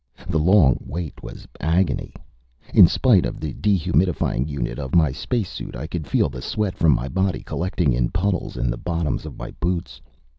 The long wait was agony. In spite of the dehumidifying unit of my spacesuit, I could feel the sweat from my body collecting in puddles in the bottoms of my boots.